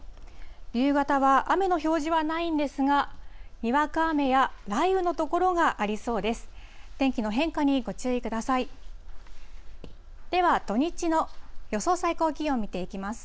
夕方は雨の表示はないんですが、にわか雨や雷雨の所がありそうです。